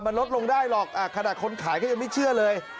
มันลดลงได้หรอกขนาดคนขายก็ยังไม่เชื่อเลย